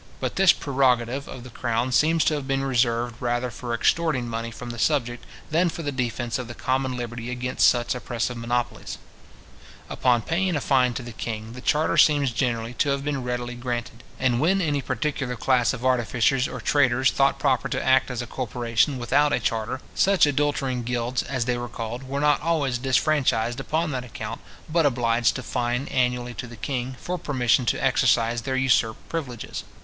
But this prerogative of the crown seems to have been reserved rather for extorting money from the subject, than for the defence of the common liberty against such oppressive monopolies. Upon paying a fine to the king, the charter seems generally to have been readily granted; and when any particular class of artificers or traders thought proper to act as a corporation, without a charter, such adulterine guilds, as they were called, were not always disfranchised upon that account, but obliged to fine annually to the king, for permission to exercise their usurped privileges {See Madox Firma Burgi p. 26 etc.}.